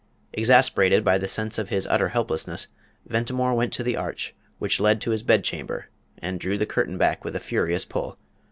Exasperated by the sense of his utter helplessness, Ventimore went to the arch which led to his bed chamber and drew the curtain back with a furious pull.